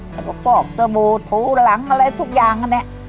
แล้วก็ฝอกเสื้อมูทถูกหลังอะไรทุกอย่างเนี่ย